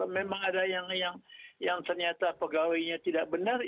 memang ada yang ternyata pegawainya tidak benar